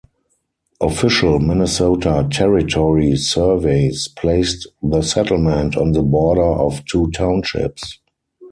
Official Minnesota Territory surveys placed the settlement on the border of two townships.